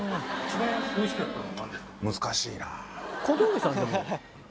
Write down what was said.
難しいなぁ。